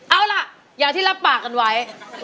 เอาล่ะอย่างที่รับปากกันไว้